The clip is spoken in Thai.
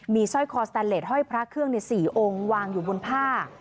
สร้อยคอสแตนเลสห้อยพระเครื่องใน๔องค์วางอยู่บนผ้า